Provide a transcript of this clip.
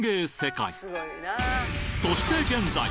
そして現在！